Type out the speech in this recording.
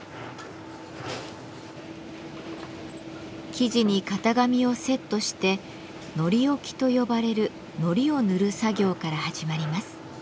生地に型紙をセットして「糊おき」と呼ばれる糊を塗る作業から始まります。